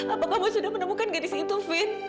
apa kamu sudah menemukan gadis itu fien